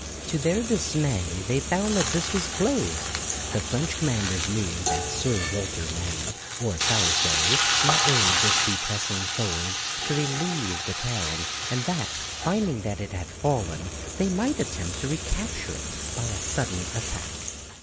To their dismay they found that this was closed. The French commanders knew that Sir Walter Manny or Salisbury might ere this be pressing forward to relieve the town, and that, finding that it had fallen, they might attempt to recapture it by a sudden attack.